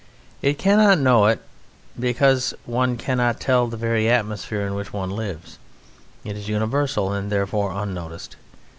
It cannot know it, because one cannot tell the very atmosphere in which one lives. It is universal and therefore unnoticed.